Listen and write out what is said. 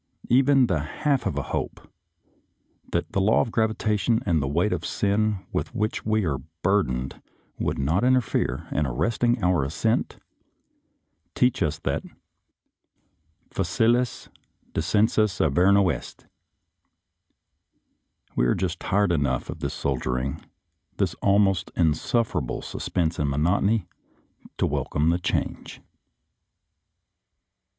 even the half of a hope — that the law of gravitation and the weight of sin with which we are burdened would not interfere, and, arresting our ascent, teach us that " facilis decensus Averno est" we are just tired enough of this soldiering, this almost insufferable sus pense and monotony, to welcome the change.